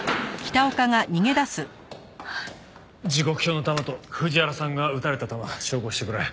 時刻表の弾と藤原さんが撃たれた弾照合してくれ。